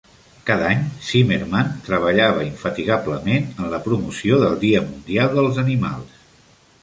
Cada any, Zimmermann treballava infatigablement en la promoció del Dia Mundial dels Animals.